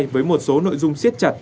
với một số nội dung siết chặt